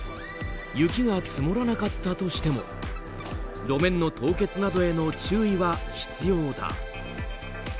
雪が積もらなかったとしても路面の凍結などへの注意は必要だ。